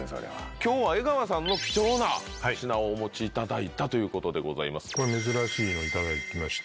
きょうは江川さんの貴重な品をお持ちいただいたということでござこれ、珍しいの頂きまして。